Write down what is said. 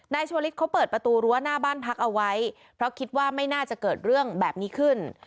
ชวลิศเขาเปิดประตูรั้วหน้าบ้านพักเอาไว้เพราะคิดว่าไม่น่าจะเกิดเรื่องแบบนี้ขึ้น